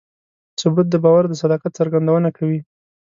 ثبوت د باور د صداقت څرګندونه کوي.